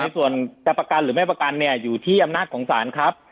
ส่วนจะประกันหรือไม่ประกันเนี่ยอยู่ที่อำนาจของศาลครับ